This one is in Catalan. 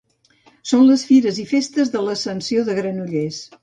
Són les fires i festes de l'Ascensió de Granollers